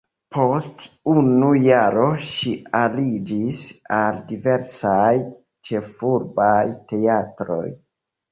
Post unu jaro ŝi aliĝis al diversaj ĉefurbaj teatroj.